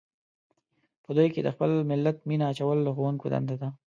په دوی کې د خپل ملت مینه اچول د ښوونکو دنده ده.